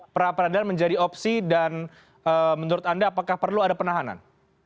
peradilan menjadi opsi dan menurut anda apakah perlu ada penahanan